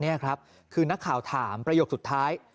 นี่ครับคือนักข่าวถามประโยคสุดท้าย